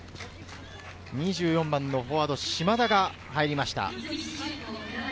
２４番フォワード・島田が入りました。